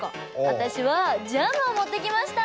私はジャムを持ってきました！